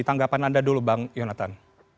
tanggapan anda dulu bang yonatan